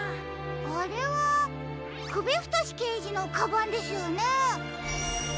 あれはくびふとしけいじのカバンですよね？